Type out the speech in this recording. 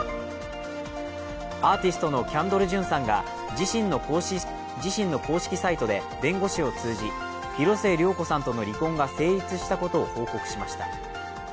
アーティストのキャンドル・ジュンさんが自身の公式サイトで弁護士を通じ広末涼子さんとの離婚が成立したことを報告しました。